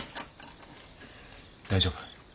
大丈夫？